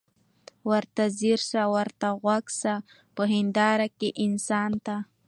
ورته ځیر سه ورته غوږ سه په هینداره کي انسان ته